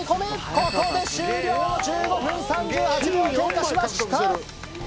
ここで終了１５分３８秒経過しました！